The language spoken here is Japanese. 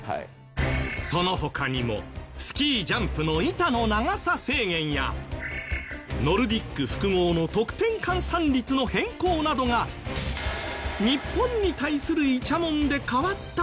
その他にもスキージャンプの板の長さ制限やノルディック複合の得点換算率の変更などが日本に対するイチャモンで変わったという声も。